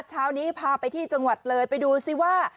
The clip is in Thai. เช้านี้พาไปที่จังหวัดเลยไปดูซิว่า